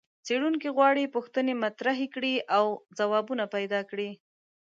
څېړونکي غواړي پوښتنې مطرحې کړي او ځوابونه پیدا کړي.